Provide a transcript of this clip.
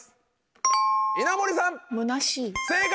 正解！